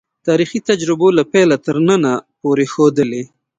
تاریخي تجربو له پیله تر ننه پورې ښودلې.